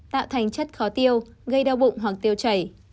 tạo thành chất khó tiêu gây đau bụng hoặc tiêu chảy